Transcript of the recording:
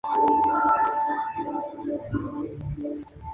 Culpable o no, obtuvo las tierras de los dos niños.